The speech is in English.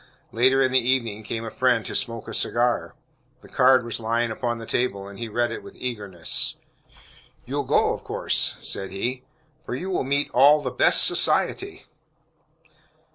Later in the evening, came a friend to smoke a cigar. The card was lying upon the table, and he read it with eagerness. "You'll go, of course," said he, "for you will meet all the 'best society.'"